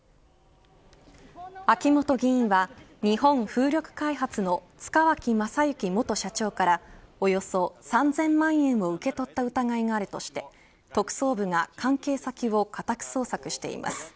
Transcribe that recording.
秋本議員は日本風力開発の塚脇正幸元社長からおよそ３０００万円を受け取った疑いがあるとして特捜部が関係先を家宅捜索しています。